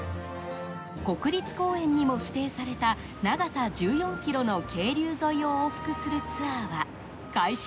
国立公園にも指定された長さ１４ｋｍの渓流沿いを往復するツアーは開始